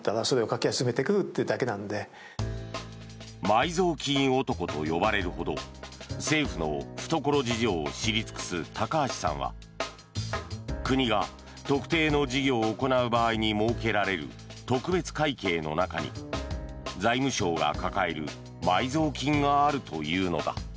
埋蔵金男と呼ばれるほど政府の懐事情を知り尽くす高橋さんは国が特定の事業を行う場合に設けられる特別会計の中に財務省が抱える埋蔵金があるというのだ。